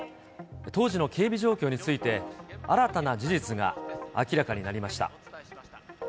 当時の警備状況について、新たな事実が明らかになりました。